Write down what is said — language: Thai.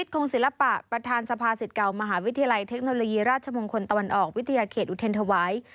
คงศิลปะประธานสภาสิทธิ์เก่ามหาวิทยาลัยเทคโนโลยีราชมงคลตะวันออกวิทยาเขตอุเทรนธวาย